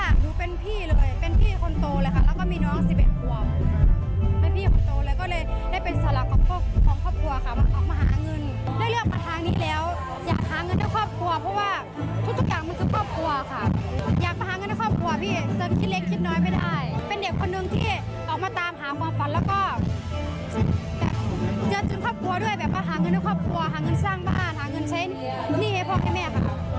อัปเดตในอัปเดตล่าสุดคุณผู้ชมไม่ใช่๑๓ล้าน๑๕ล้านวิวแล้ว